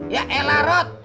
ya elah rot